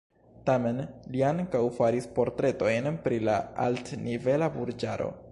Tamen, li ankaŭ faris portretojn pri la altnivela burĝaro.